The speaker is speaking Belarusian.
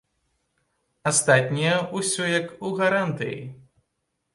Астатняе ўсё як у гарантыі.